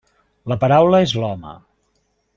La paraula és l'home.